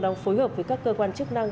đang phối hợp với các cơ quan chức năng